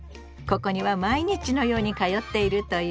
ここには毎日のように通っているという。